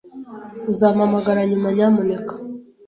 Uzampamagara nyuma, nyamuneka?